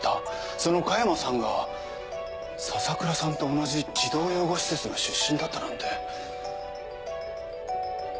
その加山さんが笹倉さんと同じ児童養護施設の出身だったなんて。